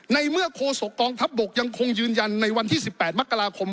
ในเมื่อโคศกองทัพบกยังคงยืนยันในวันที่๑๘มกราคม